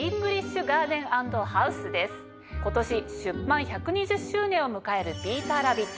今年出版１２０周年を迎える『ピーターラビット』。